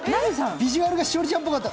ビジュアルが栞里ちゃんぽかった。